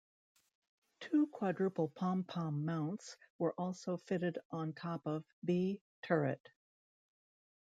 Two quadruple "pom-pom" mounts were also fitted on top of 'B' turret.